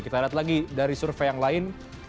kita lihat lagi dari survei yang lain